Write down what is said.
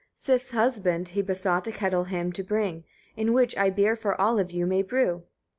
Sif's husband he besought a kettle him to bring, "in which I beer for all of you may brew."